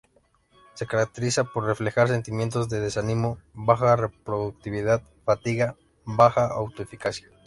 Se caracteriza por reflejar sentimientos de desánimo, baja productividad, fatiga, baja auto eficacia.